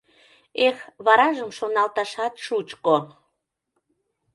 Эх, варажым шоналташат шучко!..